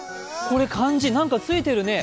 これ漢字、何かついてるね。